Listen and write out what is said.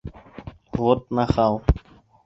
Вот нахал!..